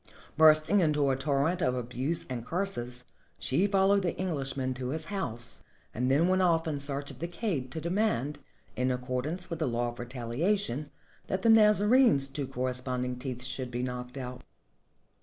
Bursting into a torrent of abuse and curses, she followed the Englishman to his house, and then went off in search of the kaid to demand, in accordance with the law of retaHation, that the Nazarene's two corre sponding teeth should be knocked out.